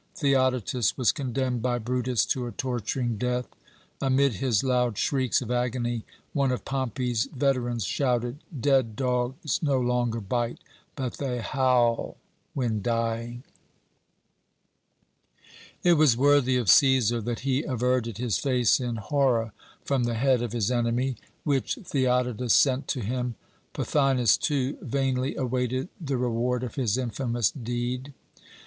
Theodotus was condemned by Brutus to a torturing death. Amid his loud shrieks of agony one of Pompey's veterans shouted, 'Dead dogs no longer bite, but they howl when dying!' "It was worthy of Cæsar that he averted his face in horror from the head of his enemy, which Theodotus sent to him. Pothinus, too, vainly awaited the reward of his infamous deed.